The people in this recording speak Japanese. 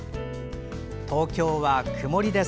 東京は曇りです。